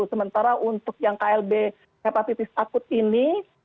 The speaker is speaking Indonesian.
sementara untuk yang klb hepatitis akut ini